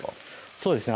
そうですね